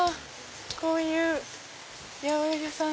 こういう八百屋さん